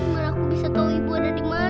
malah aku bisa tahu ibu ada di mana